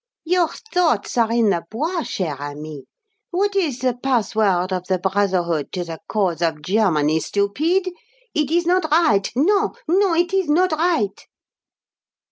"Your thoughts are in the Bois, cher ami. What is the password of the brotherhood to the cause of Germany, stupid? It is not right, non! non! It is not right!"